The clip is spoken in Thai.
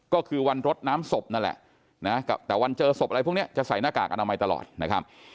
ก็คือวันรดน้ำศพนั่นแหละนะแต่วันเจอศพอะไรพวกนี้จะใส่หน้ากากอนามัยตลอดนะครับ